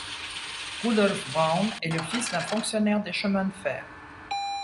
Rudolf Brown est le fils d'un fonctionnaire des chemins de fer.